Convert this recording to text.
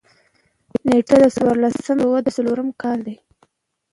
نېټه د څوارلس سوه څلورم کال ده.